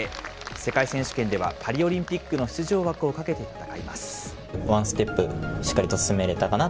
世界選手権ではパリオリンピックの出場枠をかけて戦います。